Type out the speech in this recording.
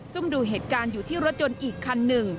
ุ่มดูเหตุการณ์อยู่ที่รถยนต์อีกคันหนึ่ง